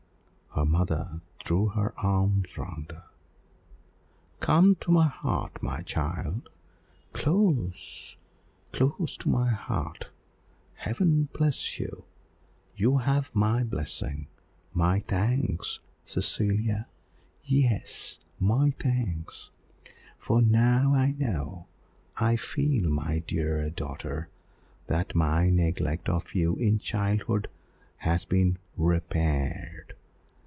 Her mother threw her arms round her. "Come to my heart, my child, close close to my heart Heaven bless you! You have my blessing my thanks, Cecilia. Yes, my thanks, for now I know I feel, my dear daughter, that my neglect of you in childhood has been repaired.